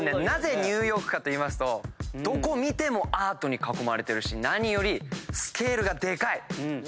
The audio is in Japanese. なぜニューヨークかといいますとどこ見てもアートに囲まれてるし何よりスケールがでかい。